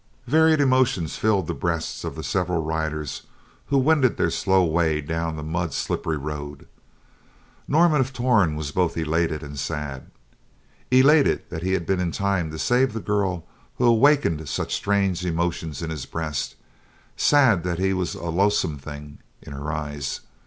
Varied emotions filled the breasts of the several riders who wended their slow way down the mud slippery road. Norman of Torn was both elated and sad. Elated that he had been in time to save this girl who awakened such strange emotions in his breast; sad that he was a loathsome thing in her eyes.